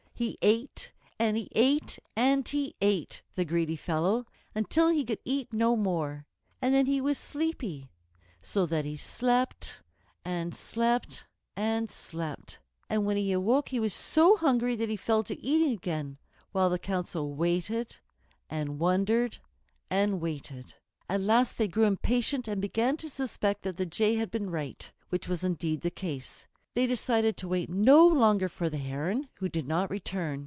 He ate, and he ate, and he ate, the greedy fellow! until he could eat no more. And then he was sleepy, so that he slept and slept and slept. And when he awoke he was so hungry that he fell to eating again, while the Council waited and wondered and waited. At last they grew impatient and began to suspect that the Jay had been right, which was indeed the case. They decided to wait no longer for the Heron, who did not return.